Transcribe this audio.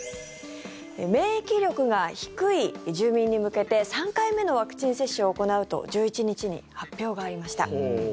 免疫力が低い住民に向けて３回目のワクチン接種を行うと１１日に発表がありました。